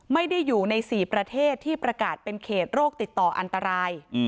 ไม่ได้อยู่ใน๔ประเทศที่ประกาศเป็นเขตโรคติดต่ออันตราย